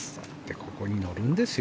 ここに乗るんですよ。